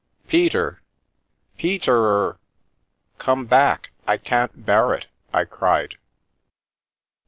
" Peter ! Peter er ! Come back, I can't bear it !" I cried.